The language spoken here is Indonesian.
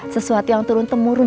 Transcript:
sesuatu yang turun temurun